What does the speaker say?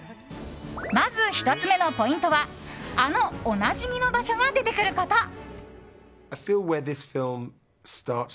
まず１つ目のポイントはあのおなじみの場所が出てくること。